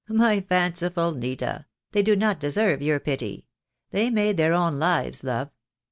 "My fanciful Nita, they do not deserve your pity. They made their own lives, love.